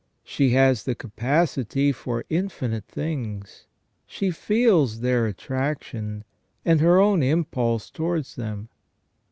She has the capacity for infinite things ; she feels their attraction, and her own impulse towards them.